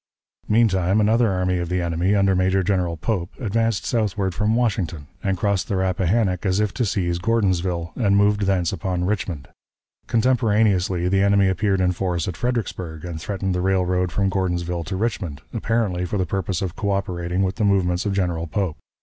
Meantime, another army of the enemy, under Major General Pope, advanced southward from Washington, and crossed the Rappahannock as if to seize Gordonsville, and move thence upon Richmond. Contemporaneously the enemy appeared in force at Fredericksburg, and threatened the railroad from Gordonsville to Richmond, apparently for the purpose of coöperating with the movements of General Pope.